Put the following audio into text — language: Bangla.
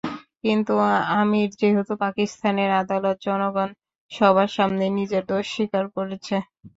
কিন্তু আমির যেহেতু পাকিস্তানের আদালত, জনগণ সবার সামনেই নিজের দোষ স্বীকার করেছে।